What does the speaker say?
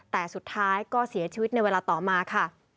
แต่สุดท้ายก็เสียชีวิตในเวลาต่อมาค่ะ